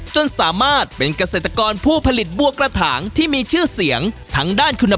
จนสามารถเป็นเกษตรกรผู้ผลิตบัวกระถางที่มีชื่อเสียงทางด้านคุณ